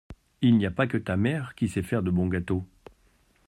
Il n’y a pas que ta mère qui sait faire de bons gâteaux.